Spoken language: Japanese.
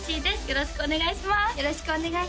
よろしくお願いします